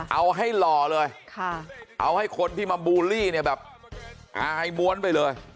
เอาให้หล่อเลยเอาให้คนที่มาบูลลี่เนี่ยแบบอายม้วนไปเลย